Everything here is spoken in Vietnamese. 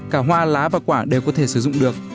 cả hoa lá và quả đều có thể sử dụng được